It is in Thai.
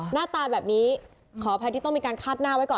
หน้าตาแบบนี้ขออภัยที่ต้องมีการคาดหน้าไว้ก่อน